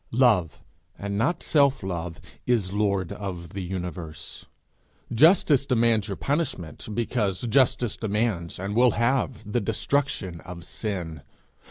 Love and not self love is lord of the universe. Justice demands your punishment, because justice demands, and will have, the destruction of sin.